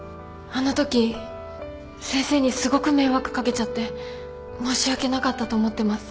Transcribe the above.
あのとき先生にすごく迷惑掛けちゃって申し訳なかったと思ってます。